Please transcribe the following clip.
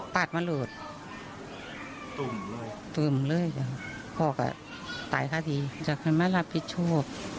พอก็ตายข้าวทีจากคืนมารับผิดโชค